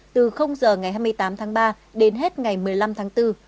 từ giờ ngày hai mươi tám tháng ba đến hết ngày một mươi năm tháng bốn